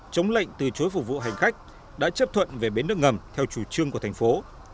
chống lệnh từ chối phục vụ hành khách đã chấp thuận về bến nước ngầm theo chủ trương của thành phố